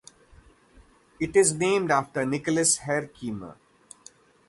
It is named after Nicholas Herkimer.